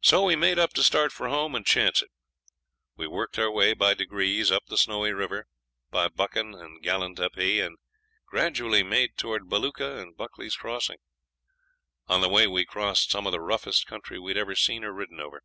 So we made up to start for home and chance it. We worked our way by degrees up the Snowy River, by Buchan and Galantapee, and gradually made towards Balooka and Buckley's Crossing. On the way we crossed some of the roughest country we had ever seen or ridden over.